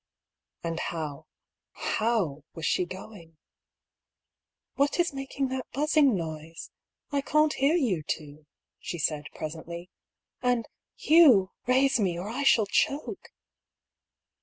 And how — how was she going ?'^ What is making that buzzing noise ? I can't hear you two," she said presently. " And, Hugh, raise me, or I shall choke